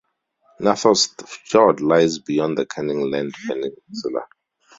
Nathorst Fjord lies beyond the Canning Land Peninsula.